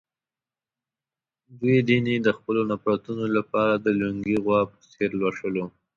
دوی دین یې د خپلو نفرتونو لپاره د لُنګې غوا په څېر لوشلو.